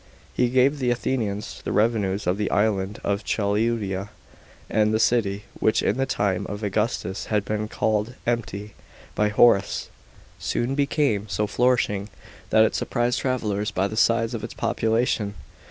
He gave the Athenians the revenues of the island of Cephaleuia ; and the city, which in the time of Augustus had been called " empty " by Horace, soon became so flourishing that it surprised travellers by the size of its population.